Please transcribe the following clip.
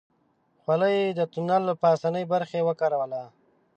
خولۍ يې د تونل له پاسنۍ برخې وکاروله.